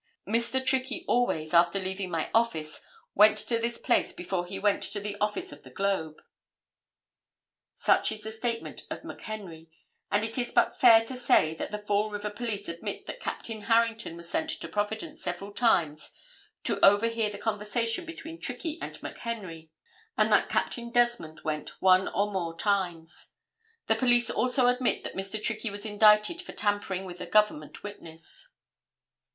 Mr. Trickey always, after leaving my office, went to this place before he went to the office of the Globe." Such is the statement of McHenry and it is but fair to say that the Fall River police admit that Captain Harrington was sent to Providence several times to overhear the conversation between Trickey and McHenry, and that Captain Desmond went one or more times. The police also admit that Mr. Trickey was indicted for tampering with a government witness.